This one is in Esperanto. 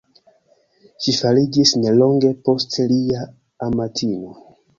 Ŝi fariĝis nelonge poste lia amatino.